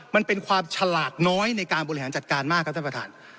มันเป็นความฉลาดน้อยในการบริหารจัดการมากครับท่านประธาน